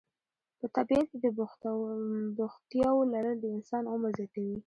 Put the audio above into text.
په طبیعت کې د بوختیاوو لرل د انسان عمر زیاتوي.